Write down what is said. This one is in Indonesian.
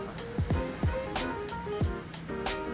salah satunya homestay